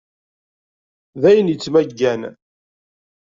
D ayen yettmaggan?